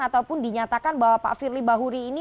atau pun dinyatakan bahwa pak firly bahuri ini